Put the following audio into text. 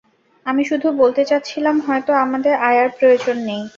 আমি শুধু বলতে চাচ্ছিলাম, হয়তো আমাদের আয়ার প্রয়োজন নেই।